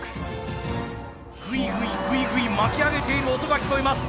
ぐいぐいぐいぐい巻き上げている音が聞こえます。